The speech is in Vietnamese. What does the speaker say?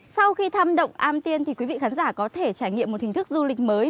sau khi thăm động am tiên thì quý vị khán giả có thể trải nghiệm một hình thức du lịch mới